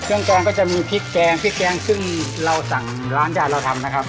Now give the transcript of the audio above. แกงก็จะมีพริกแกงพริกแกงซึ่งเราสั่งร้านยาเราทำนะครับ